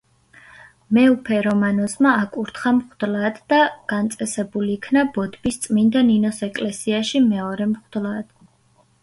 მეუფე რომანოზმა აკურთხა მღვდლად და განწესებულ იქნა ბოდბის წმიდა ნინოს ეკლესიაში მეორე მღვდლად.